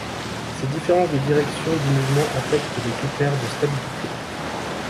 Ces différences de direction du mouvement affectent les critères de stabilité.